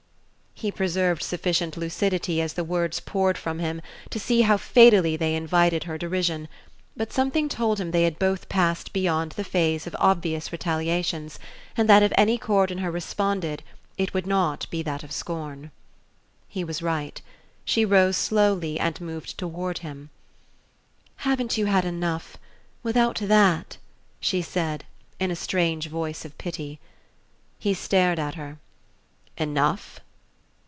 He preserved sufficient lucidity, as the words poured from him, to see how fatally they invited her derision; but something told him they had both passed beyond the phase of obvious retaliations, and that if any chord in her responded it would not be that of scorn. He was right. She rose slowly and moved toward him. "Haven't you had enough without that?" she said, in a strange voice of pity. He stared at her. "Enough